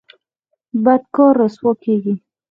بد کار رسوا کیږي